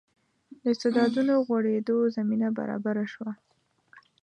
د استعدادونو غوړېدو زمینه برابره شوه.